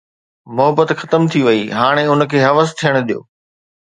محبت ختم ٿي وئي، هاڻي ان کي حوس ٿيڻ ڏيو